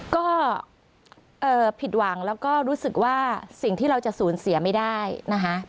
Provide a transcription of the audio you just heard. ก็ผิดหวังแล้วก็รู้สึกว่าสิ่งที่เราจะสูญเสียไม่ได้นะคะ